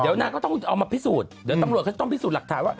เดี๋ยวนาต้องเอามาพิสูจน์เดี๋ยวตังล่วงเขาต้องพิสูจน์หลักฐาน